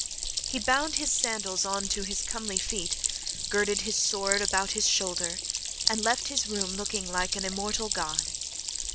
He bound his sandals on to his comely feet, girded his sword about his shoulder, and left his room looking like an immortal god.